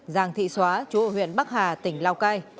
giàng thị xóa chú ở huyện bắc hà tỉnh lào cai